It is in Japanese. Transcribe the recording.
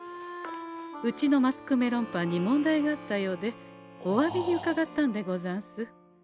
うちのマスク・メロンパンに問題があったようでおわびにうかがったんでござんす。